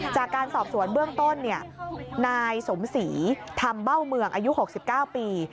จากการสอบสวนเบื้องต้นนายสมศรีธรรมเบ้าเมืองอายุ๖๙ปี